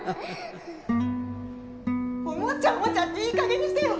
おもちゃおもちゃっていい加減にしてよ！